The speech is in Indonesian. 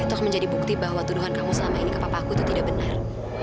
itu harus menjadi bukti bahwa tuduhan kamu selama ini ke papaku itu tidak benar